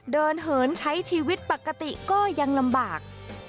เหินใช้ชีวิตปกติก็ยังลำบาก